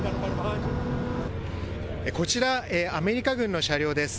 こちら、アメリカ軍の車両です。